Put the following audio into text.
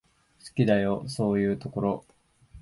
好きだよ、そういうところ。